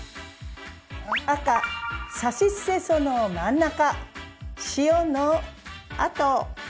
赤・さしすせその真ん中塩のあと。